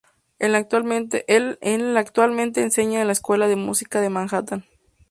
En la actualmente enseña en la Escuela de música de Manhattan.